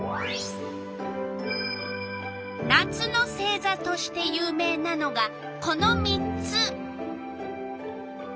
夏の星座として有名なのがこの３つ。